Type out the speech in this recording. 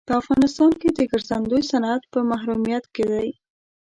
په افغانستان کې د ګرځندوی صنعت په محرومیت کې دی.